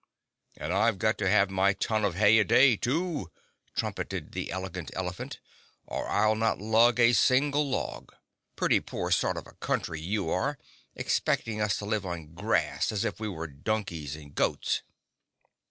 "And I've got to have my ton of hay a day, too!" trumpeted the Elegant Elephant, "or I'll not lug a single log. Pretty poor sort of a Country you are, expecting us to live on grass as if we were donkeys and goats."